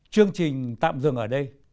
chương trình tạm dừng ở đây